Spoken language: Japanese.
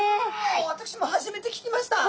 私も初めて聞きました。